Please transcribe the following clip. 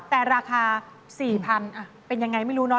แต่ราคา๔๐๐๐บาทเป็นอย่างไรไม่รู้นะ